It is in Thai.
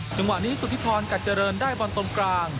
จังหวะนี้สุธิพรกัดเจริญได้บอลตรงกลาง